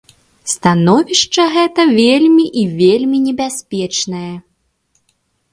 Становішча гэта вельмі і вельмі небяспечнае.